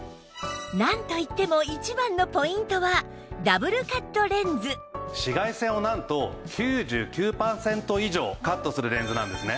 なんといっても一番のポイントは紫外線をなんと９９パーセント以上カットするレンズなんですね。